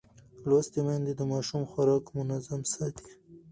لوستې میندې د ماشوم خوراک منظم ساتي.